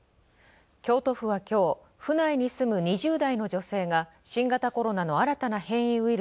京都府は今日、府内に住む２０代の女性が新型コロナの新たな変異ウイル